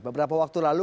beberapa waktu lalu